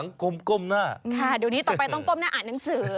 เดี๋ยวต่อไปกล้มหน้าอ่านหนังสือ